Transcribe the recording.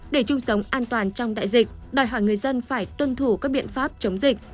để chung sống an toàn trong đại dịch đòi hỏi người dân phải tuân thủ các biện pháp chống dịch